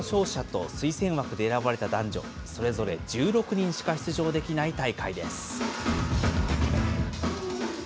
世界各国で行われる予選の勝者と推薦枠で選ばれた男女それぞれ１６人しか出場できない大会です。